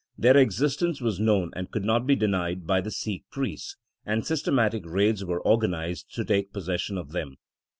Their existence was known and could not be denied by the Sikh priests, and systematic raids were organized to take possession of them.